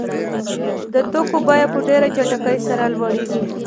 د توکو بیه په ډېره چټکۍ سره لوړېږي